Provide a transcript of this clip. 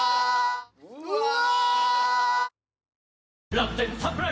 うわ！